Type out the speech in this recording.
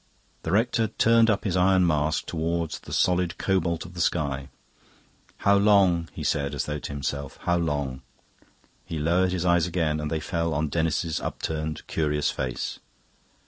The rector turned up his iron mask towards the solid cobalt of the sky. "How long?" he said, as though to himself; "how long?" He lowered his eyes again, and they fell on Denis's upturned curious face.